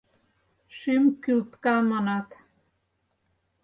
Шӱм кӱлтка, манат.